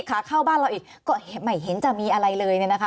เขาเข้าบ้านเราก็ไม่เห็นจะมีอะไรเลย